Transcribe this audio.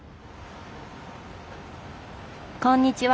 こんにちは。